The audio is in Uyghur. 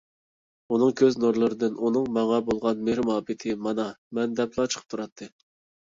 ئۇنىڭ كۆز نۇرلىرىدىن ئۇنىڭ ماڭا بولغان مېھىر-مۇھەببىتى مانا مەن دەپلا چىقىپ تۇراتتى.